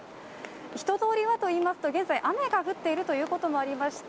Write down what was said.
人通りはというと、現在、雨が降っているということもありまして